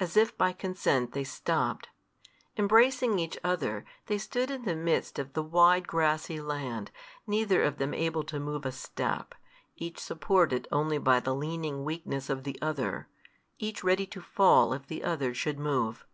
As if by consent they stopped. Embracing each the other, they stood in the midst of the wide grassy land, neither of them able to move a step, each supported only by the leaning weakness of the other, each ready to fall if the other should move.